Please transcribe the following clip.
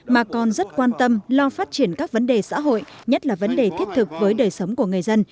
mà còn rất quan tâm lo phát triển các vấn đề xã hội nhất là vấn đề thiết thực với đời sống của người dân